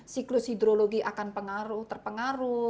siklus hidrologi akan terpengaruh